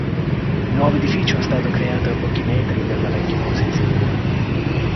Il nuovo edificio è stato creato a pochi metri dalla vecchia posizione.